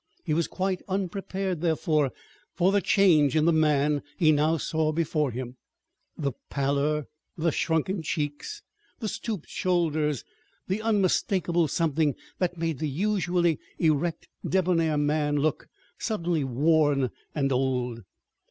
He was quite unprepared, therefore, for the change in the man he now saw before him the pallor, the shrunken cheeks, the stooped shoulders, the unmistakable something that made the usually erect, debonair man look suddenly worn and old.